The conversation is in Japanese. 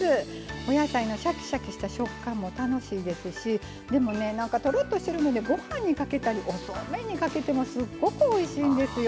お野菜のシャキシャキした食感も楽しいですしでもねとろっとしてるのでご飯にかけたりおそうめんにかけてもすっごくおいしいんですよ。